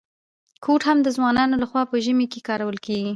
کوټ هم د ځوانانو لخوا په ژمي کي کارول کیږي.